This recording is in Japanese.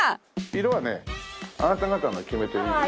色はねあなた方が決めていい。